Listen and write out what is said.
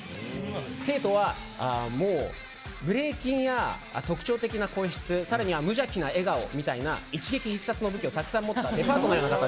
ＳＥＩＴＯはブレイキンや特徴的な声質さらには無邪気な笑顔みたいな一撃必殺の武器をたくさん持っています。